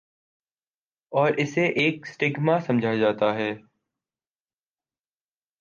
اور اسے ایک سٹیگما سمجھا جاتا ہے۔